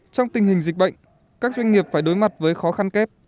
trong tình hình dịch bệnh các doanh nghiệp phải đối mặt với khó khăn kép